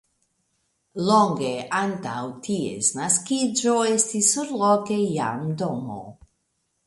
Longe antaŭ ties naskiĝo estis surloke jam domo.